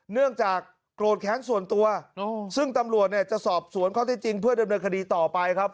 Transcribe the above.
เนื่องจากโกรธแค้นส่วนตัวซึ่งตำรวจเนี่ยจะสอบสวนข้อที่จริงเพื่อดำเนินคดีต่อไปครับ